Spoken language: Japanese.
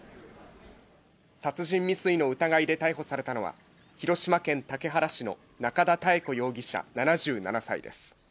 殺人未遂の疑いで逮捕されたのは、広島県竹原市の中田妙子容疑者７７歳です。